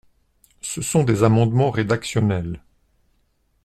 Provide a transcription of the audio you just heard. Ce sont des amendements rédactionnels.